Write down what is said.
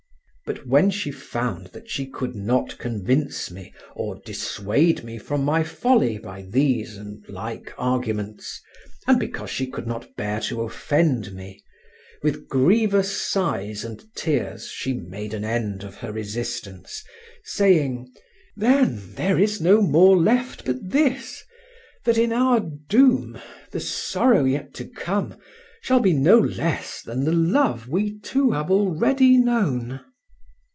But when she found that she could not convince me or dissuade me from my folly by these and like arguments, and because she could not bear to offend me, with grievous sighs and tears she made an end of her resistance, saying: "Then there is no more left but this, that in our doom the sorrow yet to come shall be no less than the love we two have already known."